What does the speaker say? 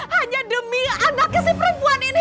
hanya demi anaknya si perempuan ini